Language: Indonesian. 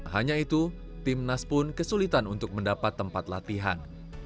hanya itu timnas pun kesulitan untuk mendapat tempat latihan